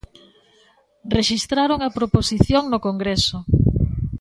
Rexistraron a proposición no Congreso.